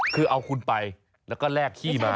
คือเอาคุณไปแล้วก็แลกขี้มา